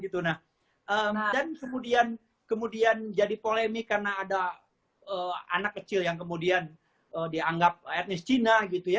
tapi kalau kemudian jadi polemik karena ada anak kecil yang kemudian dianggap etnis cina